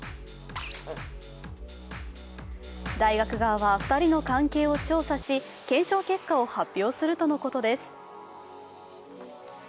大学側は２人の関係を調査し検証結果を発表するとのことです。